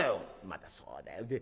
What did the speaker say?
またそうだよ。